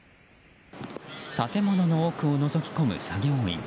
建物の奥をのぞき込む作業員。